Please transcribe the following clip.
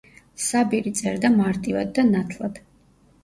საბირი წერდა მარტივად და ნათლად.